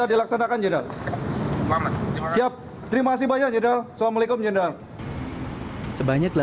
ya sudah nanti saya ucapkan selamat